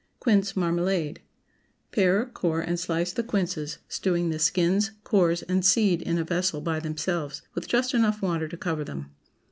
QUINCE MARMALADE. ✠ Pare, core, and slice the quinces, stewing the skins, cores, and seed in a vessel by themselves, with just enough water to cover them.